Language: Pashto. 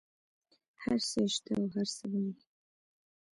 هر څه یې شته او هر څه به وي.